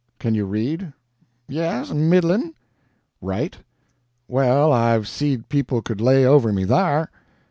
"Can you read?" "Yes middlin'." "Write?" "Well, I've seed people could lay over me thar."